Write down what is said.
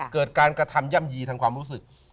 เกิดการกระทำย่ำยีทางความรู้สึก